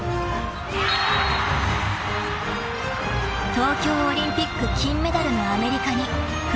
［東京オリンピック金メダルのアメリカにフルセット勝利］